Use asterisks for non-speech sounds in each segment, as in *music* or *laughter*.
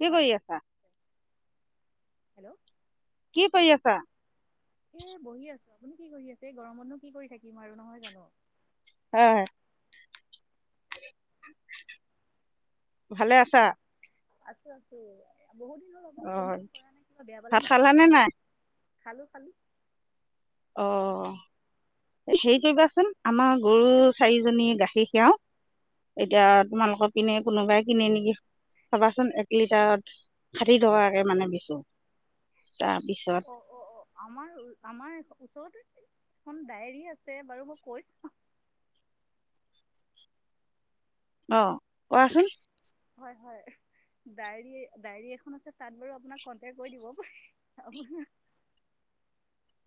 কি হয় কৰি আছা হেল্ল' কি কৰি আছা এ বহি আছো আপুনি কি কৰি আছে এই গৰমতনো কি কৰি থাকিম আৰু নহয় জানো অ ভালে আছা আছো আছো বহুত দিন হ'ল আপুনি অ ফোন চোন কৰা নাই কিবা বেয়া পালে ভাত নেকি খালানে নাই খালো খালো অ হেৰি কৰিবাচোন আমাৰ গৰু চাৰিজনী গাখীৰ খিৰাওঁ এতিয়া তোমালোকৰ পিনে কোনোবাই কিনি নেকি চাবাচোন এক লিটাৰত শাঠি টকাকে মানে দিছো অ অ অ আমাৰ আমাৰ কত এখন ডায়েৰী আছে বাৰু মই কৈছো অহ কোৱাচোন হয় হয় ডায়েৰী ডায়েৰী এখন আছে তাত বাৰু আপোনাক কন্টেক কৰি দিব পাৰি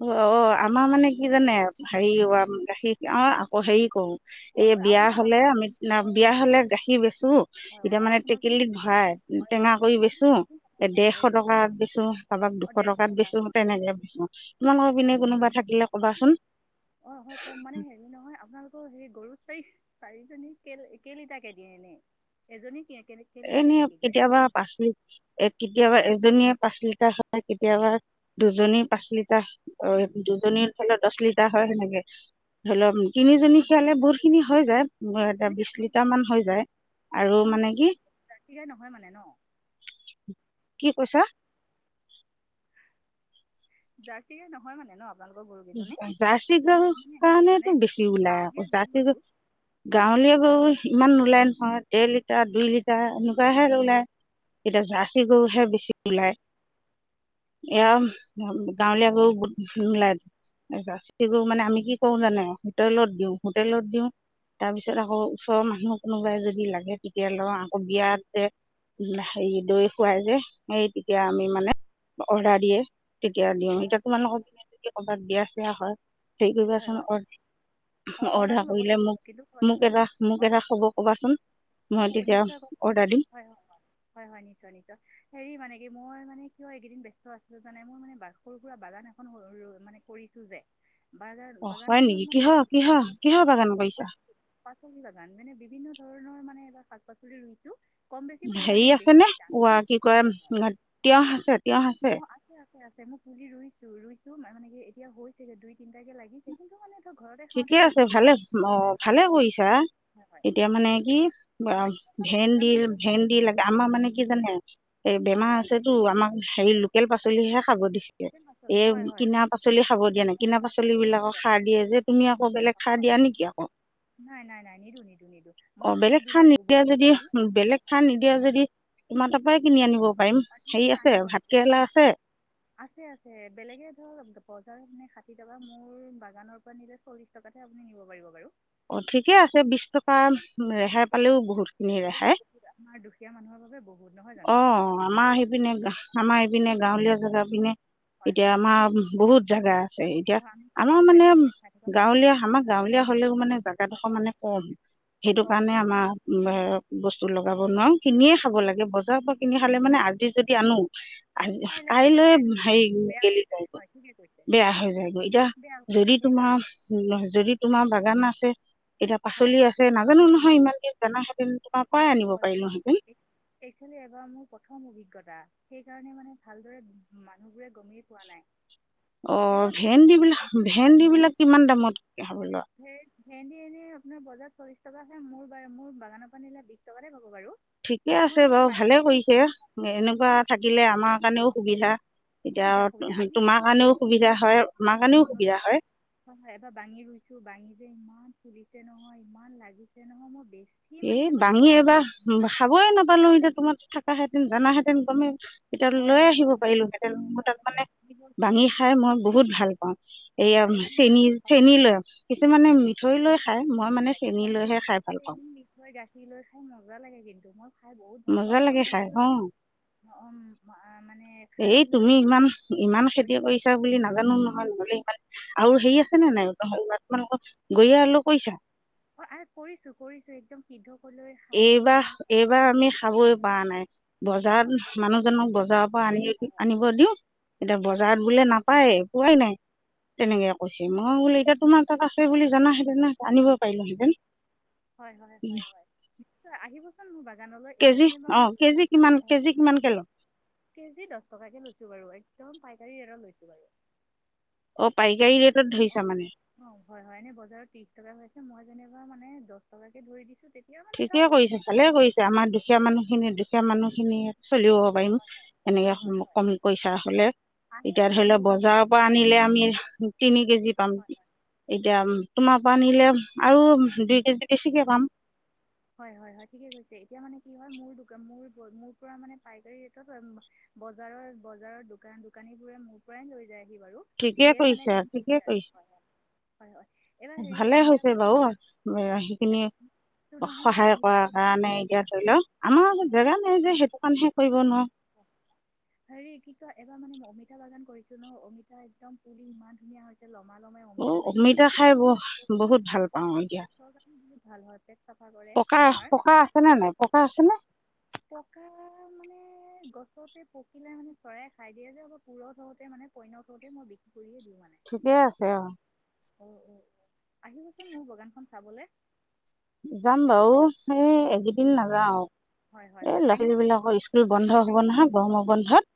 অ অ আমাৰ মানে কি জানে হেৰি গাখীৰ অ আকৌ হেৰি কৰো এই হয় হয় বিয়া আপোনাৰ হলে আপোনাৰ আমি যোন- হয় বিয়া হয় হলে গাখীৰ বেচো হয় হয় এতিয়া মানে আপোনাৰ যোন- টেকেলিত ভৰাই হয় হয় টেঙা কৰি আপুনি বেচো কিমান ডেৰশ হেৰি টকাত বেচো কাৰোবাক অ দুশ ডেৰশ টকাত টকা বেচো তেনেকে বেচো আপোনালোকৰ হয় হয়। পিনে কোনোবা থাকিলে কবাচোন অ হয় কম মানে হেৰি নহয় আপোনালোকৰ হেৰি গৰু চাৰি চাৰিজনী কেইলিটাকে দিয়ে এনে এজনী কেইলিটাৰকে এনেই গাখীৰ দিয়ে কেতিয়াবা পাঁচ লি এ কেতিয়াবা এ দুজনীয়ে পাঁচ লিটাৰ সাত কেতিয়াবা দুজনী পাঁচ লিটাৰ অ হয় দুজনীৰ হয় খিৰালে দহ লিটাৰ হয় সেনেকে ধৰি লওক তিনিজনী খিয়ালে বহুতখিনি হৈ যায় বৰ এটা এনে বিশ আপোনালোকৰ লিটাৰ মান হৈ যায় আৰু মানে কি জাৰ্চী গাঁই নহয় মানে ন কি কৈছা জাৰ্চি গাই নহয় মানে ন আপোনালোকৰ গৰুকেইজনী জাৰ্চি সব গৰু মানে হেৰি মানে কাৰণেটো বেছি ওলাই আক গাঁৱলীয়া জাৰ্চি আৰু গৰু গাঁৱলীয়া গৰু ইমান নোলায় নহয় ডেৰ লিটাৰ দুই লিটাৰ এনেকুৱাহে ওলায় এতিয়া জাৰ্চি গৰুহে বেছি ওলায় এয়া গাঁৱলীয়া গৰু বোৰত নোলায় জাৰ্চী গৰু মানে আমি কি কৰো জানে হোটেলত দিওঁ হোটেলত দিওঁ তাৰপিছত আকৌ ওচৰৰ মানুহ কোনোবাই যদি লাগে তেতিয়া লয় আকৌ বিয়াত যে হেৰি দৈ খোৱাই যে সেই তেতিয়া আমি মানে অৰ্ডাৰ দিয়ে তেতিয়া দিওঁ এতিয়া তোমালোকক কেনেকে দিয়া চিয়া হয়। হেৰি হয় কৰিবাচোন হয়। অৰ্ডাৰ অৰ্ডাৰটো লব কৰিলে মোক লাগিব। কিন্তু হয় মোক হয়, এটা মোক হয় এটা হয়। খবৰ ক'বাচোন মই কওক আকৌ তেতিয়া নিশ্চয় কওক, অৰ্ডাৰ দিম হয় অ হয় হয় নিশ্চয় নিশ্চয়। হেৰি মানে কি মই মানে কি হ'ল এইকেইদিন ব্যস্ত আছিলো কাৰণে মই মানে সৰু সুৰা বাগান এখন মানে কৰিছো যে, বাগান অঁ বাগান হয় খনত নেকি মানে কিহৰ কি, কিহৰ কিহৰ বাগান কৰিছা পাচল পাচলিৰ বাগান। মানে বিভিন্ন ধৰণৰ মানে এইবাৰ শাক পাচলি ৰুইছোঁ। কম বেছি হেৰি পৰিমাণে বেছি *unintelligible* আছেনে নহয় কি কয় আৰু। তিয়ঁহ আছে তিয়ঁহ অ আছে আছে আছে, মই পুলি ৰুইছো, ৰুইছোঁ ম‌ই মানে এ এতিয়া হৈছেগে। দুইত তিনটাকে লাগিছে। কিন্তু মানে ঠিকে গৈছে আছে ভালে বেছিকৈ অ হোৱা নাই ভালে কৰিছা, নহয় হয় এতিয়া মানে কি আহিবচোন ভেন্দি, বাগানখনলৈ চাবলৈ ভেন্দি লাগে। আমাৰ মানে কি জানে? এই হয় বেমাৰ হয় আছেতো। আমাৰ হেৰি ল লোকেল পাচলিহে। খাব দিছে শাক পাচলি এই হয় হয় কিনা পাচলি খাব সেই দিয়া মই নাই। কিনা পাচলি ঠিক বিলাকক আছে আপুনি। সাৰ দিয়ে যে তুমি আকৌ বেলেগ সাৰ হয় দিয়া হয় নেকি আকৌ। নাই নাই নাই নিদিওঁ নিদিওঁ নিদিওঁ অ মই খালী বেলেগ দিলে সাৰ গোবৰ নিদিয়া যদি, দিওঁ বেলেগ সাৰ নিদিয়া যদি তোমাৰ তাৰ পৰাই কিনি আনিব পাৰিম হয় হেৰি নিশ্চয়, আছে আহিব আহিব। ভাতকেৰেলা আছে আছে আছে, বেলেগে ধৰক বজাৰ মানে ষাঠি টকা মোৰ বাগানৰ পৰা নিলে চল্লিশ টকাতে আপুনি নিব পাৰিব বাৰু। অ ঠিকে আছে বিশ টকা ৰেহাই পালেও বহুত। বহুত বহুত, আমাৰ দুখীয়া মানুহৰ বাবে বহুত। নহয় অ জানো আমাৰ সেইপিনে গা আমাৰ পিনে, গাঁওলীয়া জেগা পিনে, হয় এতিয়া হয় হয় আমাৰ বহুত জেগা আছে, এতিয়া অঁ আমাৰ আমিতো মানে পেটে পেটে খাই থকা মানুহ গাঁৱলীয়া আমাৰ গাঁৱলীয়া হলেও মানে হয় জেগাডোখৰ হয় মানে কম। সেইটো কম কাৰণে কম আমাৰ বস্তু লগ লগাব নোৱাৰো। কিনিয়ে খাব লাগে ব জাৰৰ পৰা কিনি খালে মানে আজি যদি আনো, গেলি কাইলৈ যায় হেৰি বেয়া গেলি হৈ যায় যায়গৈ, হয় ঠিকে কৈছে বেয়া হৈ যায়গৈ। এতিয়া বেয়া হৈ যায় যদি তোমাৰ, সেইকাৰণে যদি তোমাৰ বাগান আছে, এতিয়া হয় পাচলি হয় আছে, নাজানো নহয় ইমান এ তেনেহলেনো তোমাৰ পৰাই আনিব পাৰিলোঁহেতেন। খালি এইবাৰ মোৰ প্ৰথম অভিজ্ঞতা। সেইকাৰণে মানে ভালদৰে মানুহবোৰে গমে পোৱা নাই। অ তেও ভেন্দি যিটো বিলাক, দাম ভেন্দি জানিছে বিলাক কিমান দামত খাব লোৱা? সেই ভেন্দি এনে আপোনাৰ বজাৰ চল্লিশ টকা হয়, মোৰ বা, মোৰ বাগানৰ পৰা নিলে বিশ টকাতে পাব বাৰু ঠিকে আছে মই বাৰু, ভালে পাইকাৰী কৰিছে। এনেকুৱা দিছোঁ থাকিলে আমাৰ কাৰণেও সুবিধা। এতিয়া সুবিধা সুবিধা। তোমাৰ আহিবচোন কাৰণেও আহিব, সুবিধা হয় আমাৰ কাৰণেও বাগানখনলৈ, সুবিধা হয় হয় এবাৰ বাঙি ৰুইছো বাঙি যে ইমান ফুলিছে নহয়, ইমান লাগিছে নহয়, মই বেছ এ বাঙি এবাৰ খাবই নাপালো এতিয়া তোমাৰ থ কোৱা হেতেন জানাহেতেন গমেই তেতিয়া হয় লৈ হয় আহিব পাৰিলোহেঁতেন মোৰ তাত মানে গছবোৰ বাঙি খাই মই বহুত ভাল পাওঁ হয় এয়া হয় এইবাৰ মানে চেনী হয় চেনী লৈ কিছু মানে চেনি মিঠৈ লৈ খাই মই মানে চেনিলৈহে খাই ভাল পাওঁ দৈ গাখীৰ লৈ খাই মজা লাগে কিন্তু মই খাই বহুত ভাল পাওঁ মজা অলপ লাগে টাইম খাই অ, উম, আহ, মানে এই সানি লৈ তুমি যেতিয়া ইমান ফ্ৰীজ ইমান থৈ খেতি দিওঁ কৰিছা বুলি নাজানো নহয় নহলে ইমান আৰু হেৰি আছে নে নাই গৈ আলু পইছা অ কৰিছো কৰিছো একদম সিদ্ধ কৰি লৈ খাই লৈ এইবাৰ চাহৰ লগত খাই এইবাৰ আমি ইমান খাবই পৰা নাই, হয় হয় বজাৰত মানুহজনক বজাৰৰ পৰা আনি আনিব দিওঁ, এতিয়া হয় বজাৰত বোলে নাপায় পোৱাই নাই তেনেকে কৈছে, মই বোল এতিয়া তোমাৰ তাত আছে বুলি জানাহেতেন আনিব পাৰিলোহেঁতেন হয় হয় হয় হয় নিশ্চয় আহিবচোন মোৰ ব খনলৈ কেজি এতিয়া অঁ মই কেজি কিমান অঁ কেজি কিমানকে লওঁ কেজি দশ টকা কৈ লৈছো বাৰু একদম পাইকাৰী এ লৈছো বাৰু অ পাইকাৰী ৰেটত অ ধৰিছা মানে অ হয় হয়নে বজাৰত ত্ৰিশ টকা হৈছে মই যেনিবা মানে দহ টকাকে ধৰি দিছো ঠিকে কৰিছে ভালে কৰিছে আমাৰ দুখীয়া মানুহখিনি দুখীয়া মানুহখিনিয়ে চলিব পাৰিম, এনেকে হয় হয় হয় কমি পইচা হলে, আহে এতিয়া আহে ধৰি মোৰ লও বজাৰৰ বাগানৰ পৰা আনিলে আমি তিনি কেজি পাম হয় এতিয়া তোমাৰ পৰা নিলে আৰু দুই কেজি বেছিকে পাম হয় হয় হয় ঠিকে কৈছে, এতিয়া মানে কি হয় মোৰ মোৰ মোৰ পৰা মানে পাইকাৰী ৰেটত বজাৰৰ বজাৰৰ দ দোকানী বোৰে মোৰ পৰাই লৈ যায় বাৰু ঠিকে যিয়ে মানে কৰিছে গম ঠিকে পাইছে কৰিছে এইবাৰ হেৰি ভালে অমিতা হৈছে বাগান বাৰু সেইখিনি নহয় সহায় অমিতাও কৰাৰ হৈছে কাৰণে নহয় এতিয়া হয় ধৰি লওক আমাৰ হয় জেগা নাই যে সেইটো কাৰণেহে কৰিব নয় হেৰি কি এবাৰ মানে অমিতা বাগান কৰিছো ন অমিতা একদম পুলি ইমান ধুনীয়া হৈছে লগ অ অমিতা খাই ব বহুত ভাল পাওঁ এতিয়া, পেটৰ কাৰণে বহুত ভাল হয় পেট চাফা কৰে পকা বেমাৰ পকা আছেনে? নাই পকা আছে ন পকা মানে গছতে পকিলে মানে চৰাই খাই দিয়ে যে, পুৰত হওঁতে মানে পই্য হওঁতে মই বিক্ৰী কৰিয়ে দিওঁ ঠিকে আছে অ উ উ আহিবচোন মোৰ বাগানখন চাবলৈ যাম বাৰু সেই খিন এ, নাযাওঁ আৰু হয় হয় হয় এই ল'ৰা বেঙেনা ছোৱালী খেতি বিলাকৰ স্কুল বন্ধ হ'ব বেঙেনা নহয় গৰমৰ বন্ধত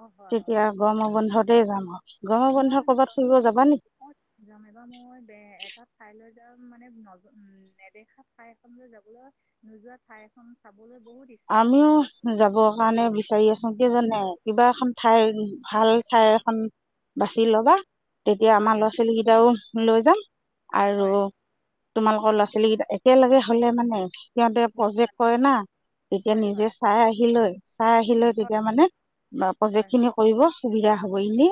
অঁ হয় হয় তেতিয়া গৰমৰ বন্ধত দে যাম গৰমৰ মই বন্ধত মানে ক'ৰবাত যাম। ফুৰিব যাবা নি অ' এবাৰ মই এটা ঠাইলৈ মানে ন'জ নেদেখা ঠাই এখনলৈ যাবলৈ। নোযোৱা ঠাই এখন চাব আমিও যাব কেতিয়াও কাৰণে বিচাৰি আছোঁ। কি জানে, কিবা এখন ঠাইৰ ভাল ঠাই এখন বাচি ল'বা। তেতিয়া, হয় আমাৰ ল'ৰা হয় -ছোৱালী কেইটাও লৈ যাম। আৰু হয় তোমালোকৰ ল'ৰা ছোৱালী কেইটা একেলগে হ'লে মানে সিহঁতে বহুত প্ৰজেক্ট ভাল হয় কৰে না তেতিয়া হয় নিজে হয় চাই আহি লৈ, চাই আহি লৈ, তেতিয়া মানে, প্ৰজেক্ট হয় হয় খিনি কৰিব সুবিধা ভাবো এনে,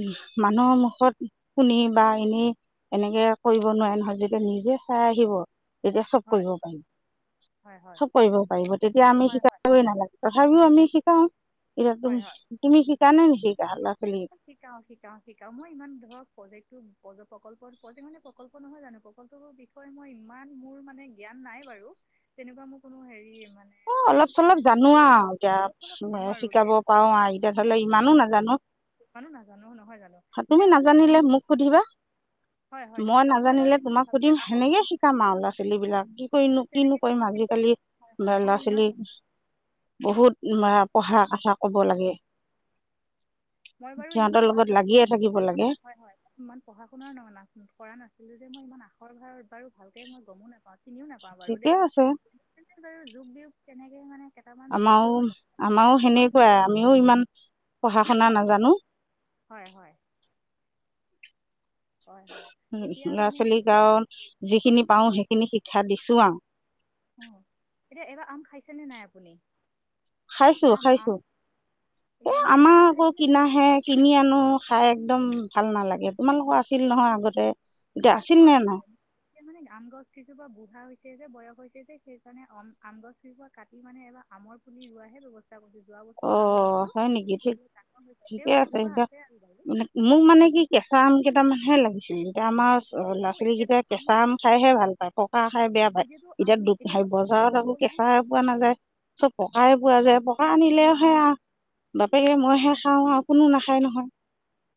উ! মানুহৰ মুখত শুনি বা এনে এনেকে কৰিব নোৱাৰে নহয়। যেতিয়া নিজে চাই আহিব! তেতিয়া চব হয় কৰিব পাৰিম! হয় চব কৰিব পাৰিব। এতিয়া অমি হয় হয় হয় হয় শিকাব নালাগে। তথাপিও আমি শিকাও। এতিয়া তুমি। তুমি কি! ! *unintelligible* শিকাও, শিকাও, শিকাও মই ইমান ধৰক প্ৰজেক্ট প্ৰজেক্ট মানে, প্ৰকল্প নহয় জানো। প্ৰকল্পৰ বিষয়ে মই ইমান, মোৰ মানে জ্ঞান নাই বাৰু তেনেকুৱা মোৰ কোনো হেৰি মানে অ' প্ৰেক অলপ চলপ জানো আৰু অঁ অলপ চলপ জানো এতিয়া আৰু দেই শিকাব মই পাৰোঁ আৰু এতিয়া ধৰিলক ইমানো নাজানো। ইমানো নাজানো নহয় জানো! তুমি তেওঁ মানে নাজানিলে মোক সুধিবা হয় হয় মই নিশ্চয় বাৰু নাজানিলে ইমান তোমাক ভালকৈ সুধিম। আখৰো সেনেকে চিনি- শিকাম আৰু ল'ৰা ছোৱালী বিলাক কি মই কৰিনো, কিনো তেনেকৈ কৰিম আজিকালি। *unintelligible* মই ল'ৰা ইমান ছোৱালীক প বহুত পঢ়াৰ কথা ক'ব লাগে। মই বাৰু ইমান সিহঁতৰ পঢ়া লগত শুনা লাগিয়ে ইমান থাকিব লাগে পঢ়া শুনা নহয়। ইমান পঢ়া শুনা কৰা নাছিলো যে। যে মই যে ইমান আকৰি হয় নে বাৰু ভালকে মই গমো নাপাওঁ। চিনিও নাপাওঁ বাৰু ঠিকে দেই। আছে যোগ বিয়োগ কেনেকে মানে কেইটামান যোগ আমাৰো কৰিব আমাৰো জানো। সেনেকুৱাই আমিও ইমান পঢ়া শুনা হয় হয় নাজানো। হয় হয় হয় হয় উ! এতিয়া ল'ৰা মানে কি ছোৱালীক আওঁ, যিখিনি পাওঁ সেইখিনি শিক্ষা দিছো আওঁ। অ' এতিয়া এবাৰ আম খাইছেনে নাই আপুনি? খাইছো আম আম খাইছো, এ' একদম টেঙা আমাৰ আম আকৌ খাইছেনে মিঠা আম কিনাহে খাইছে কিনি আনো, খাই একদম ভাল নালাগে। তোমালোকৰ আছে। শিল নহয় আগতে এতিয়া আছিল নে হয় নাই হয় এয়া মানে আম গছ কিজোপা বুঢ়া হৈছে যে বয়স হৈছে যে সেই কাৰণে আমগছ কেইজোপা কাটি মানে এইবাৰ আমৰ পুলি ৰোৱাহে ব্যৱস্থা কৰিছোঁ যোৱা অ বছৰ আম ৰুইছোঁ হয় নেকি এতিয়া ঠিক বহুত ডাঙৰ হৈছে ঠিকে তেও আছে এজোপা এতিয়া আৰু বাৰু মোক মানে কি কেঁচা আম কেইটামান হে লাগিছে দুটামান অ ল'ৰা ও এতিয়াতো ছোৱালীকেইটাই কেঁচা আম খাইহে ভাল পায় পকা খাই বেয়া পায় এতিয়াতো এতিয়া আম দু এতিয়াতো আম বজাৰত আকৌ সকলোবোৰ কেঁচা পোৱা নাযায় চব পকা পোৱা যায় পকা হয় আও বাপেকে মইহে খাওঁ আৰু কোনো নাখায় নহয়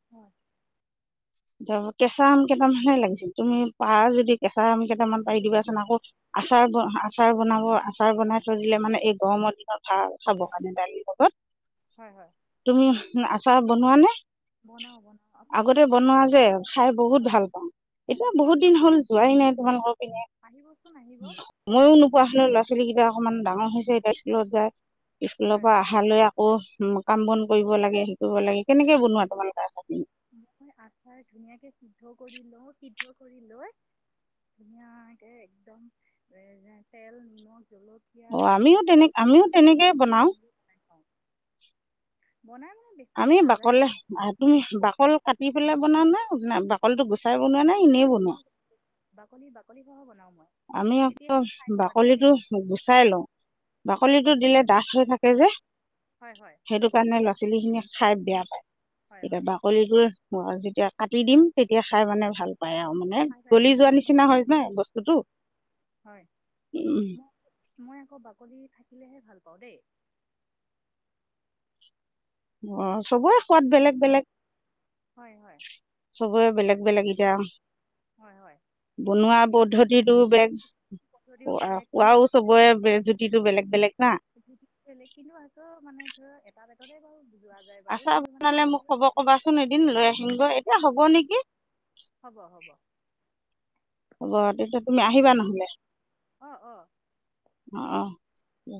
হয় তাৰ কেঁচা আম কেইটামানহে লাগিছিল তুমি পাৰ যদি কেঁচা আম কেইটামান পাৰি দিবাচোন আকৌ আচাৰ আচাৰ বনাব আচাৰ বনাই থৈ দিলে মানে এই গৰমৰ দিনত ভাল খাব কাৰণে দালিৰ লগত হয় হয় তুমি আচাৰ বনোৱা নে বনাও বনাও আপুনি কেনেকে বনাই মই যে খাই বহুত ভাল পাওঁ হয় এতিয়া হয় বহুত দিন হল যোৱাই নাই তোমালোকৰ পিনে আহিবচোন আহিব ময়ো নোপোৱা হলে ল'ৰা ছোৱালী কিবা অকমান ডাঙৰ হৈছে এতিয়া স্কুলত যায় স্কুলৰ হয় পৰা হয় অহালৈ আকৌ উ কাম বন কৰিব লাগে শিকিব লাগে কেনেকে বনোৱা তোমালোকৰ আচাৰখিনি মই আচাৰ ধুনীয়াকে সিদ্ধ কৰি লও সিদ্ধ কৰি লৈ ধুনীয়াকে একদম এ তেল নিমখ জলকীয়া অ আমিও হালধি তেনে আমিও মছলা তেনেকেই দি বনাও সবোৰ বনাই খাওঁ বেছি আমি দিন নাযায় বাকলে বাৰু আহ তুমি বাকল কাটি পেলাই বনোৱানে নে বা বাকি বাকলি বাকলি খহ বনাও আমি আকৌ বাকলিটো গুচাই লওঁ হয় বাকলিটো দিলে ডাঠ হৈ থাকে যে হয় হয় সেইটো কাৰণে ল'ৰা ছোৱালী খিনি খাই বেয়া পায় হয় এতিয়া হয় বাকলিটো এ মই যেতিয়া কাটি দিম তেতিয়া খাই মানে হয় ভাল পায় আৰু মানে হয় হয় গলি মই যোৱা আকৌ নিচিনা বাকলি হয় নহ বস্তুতটো হয় ম মই আকৌ বাকলি থাকিলেহে ভাল পাওঁ দেই অ চবৰে সোৱাদ বেলেগ বেলেগ হয় হয় চবয়ে বেলেগ বেলেগ এতিয়া হয় হয় বনোৱা পদ্ধতিটো বেগ পদ্ধতিও ক বেলেগ কিন্তু কোৱাও চবৰে বেজ সি বেগ বেলেগ না বেলেগ কিন্তু আছ মানে ধ এটা বলে ত কহি আচাৰ বনালে মোক খব কবাচোন এদিন লৈ আহিম গৈ এতিয়া হ'ব নেকি হ'ব হ'ব হ'ব তেতিয়া তুমি আহিবা নহলে আহ আহ উম